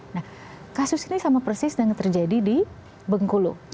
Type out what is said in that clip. nah kasus ini sama persis yang terjadi di bengkulu